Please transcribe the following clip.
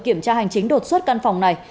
kiểm tra hành chính đột xuất căn phòng này